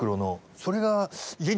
それが。